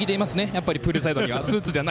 やっぱりプールサイドには。